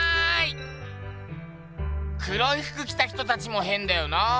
黒いふく着た人たちもへんだよな。